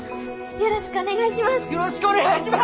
よろしくお願いします！